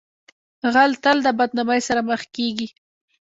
غل تل د بدنامۍ سره مخ کیږي